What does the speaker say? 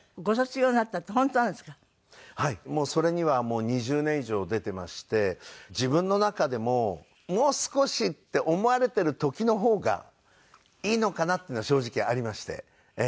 それには２０年以上出ていまして自分の中でももう少しって思われている時の方がいいのかなっていうのは正直ありまして。